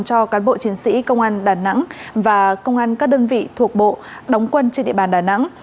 cho cán bộ chiến sĩ công an đà nẵng và công an các đơn vị thuộc bộ đóng quân trên địa bàn đà nẵng